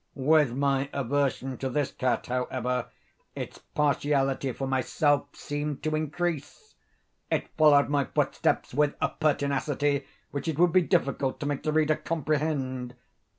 With my aversion to this cat, however, its partiality for myself seemed to increase. It followed my footsteps with a pertinacity which it would be difficult to make the reader comprehend.